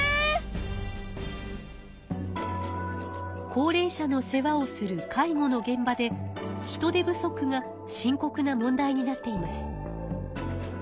高齢者の世話をする介護の現場で人手不足が深こくな問題になっています。